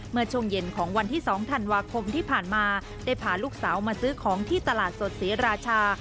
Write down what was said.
เมื่อช่วงเย็นของวันที่๒ธันวาคมที่ผ่านมาได้พาลูกสาวมาซื้อของที่ตลาดสดศรีราชา